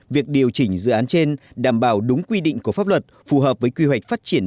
việc điều chỉnh dự án trên đảm bảo đúng quy định của pháp luật phù hợp với quy hoạch phát triển